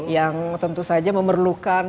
yang tentu saja memerlukan